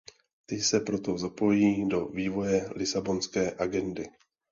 Ty se proto zapojí do vývoje lisabonské agendy.